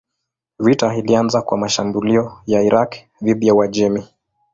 Vita ilianza kwa mashambulio ya Irak dhidi ya Uajemi.